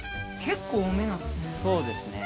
結構多めなんですね。